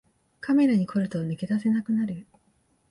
カメラに凝ると抜け出せなくなる